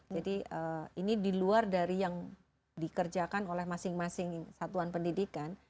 jadi ini di luar dari yang dikerjakan oleh masing masing satuan pendidikan